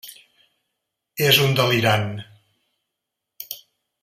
És un delirant.